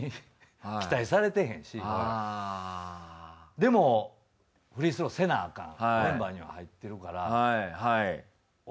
でもフリースローせなアカンメンバーには入ってるから。